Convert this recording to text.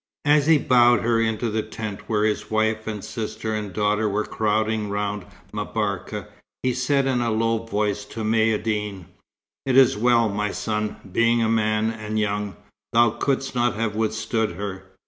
As he bowed her into the tent where his wife and sister and daughter were crowding round M'Barka, he said in a low voice to Maïeddine: "It is well, my son. Being a man, and young, thou couldst not have withstood her.